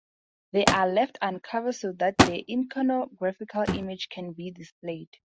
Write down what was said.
These are left uncovered so that their iconographical image can be displayed.